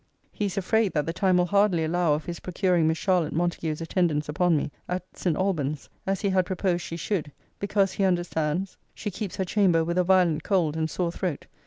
'He is afraid, that the time will hardly allow of his procuring Miss Charlotte Montague's attendance upon me, at St. Alban's, as he had proposed she should; because, he understands, she keeps her chamber with a violent cold and sore throat.